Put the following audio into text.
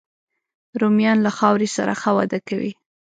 رومیان له خاورې سره ښه وده کوي